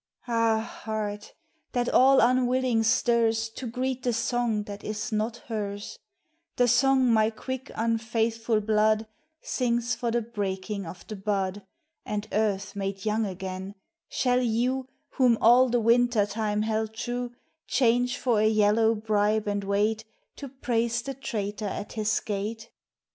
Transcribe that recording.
Ah, heart ! that all unwilling stirs To greet the song that is not hers Th song my quick, unfaithful blood Sings for the breaking of the bud And earth made young again, shall you Whom all the Winter time held true Change for a yellow bribe and wait To praise the traitor at his gate